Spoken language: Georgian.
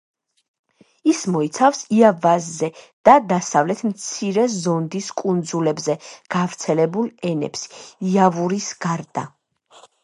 ის მოიცავს იავაზე და დასავლეთ მცირე ზონდის კუნძულებზე გავრცელებულ ენებს, იავურის გარდა.